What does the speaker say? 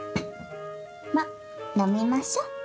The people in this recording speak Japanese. まっ飲みましょ。